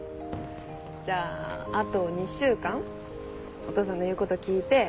じゃああと２週間お父さんの言うこと聞いていい子にしててね。